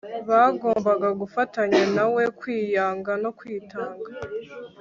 bagombaga gufatanya nawe kwiyanga no kwitanga